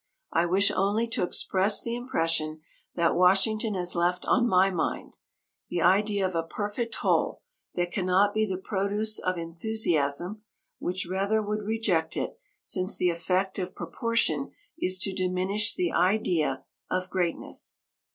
I wish only to express the impression that Washington has left on my mind: the idea of a perfect whole, that cannot be the produce of enthusiasm, which rather would reject it, since the effect of proportion is to diminish the idea of greatness."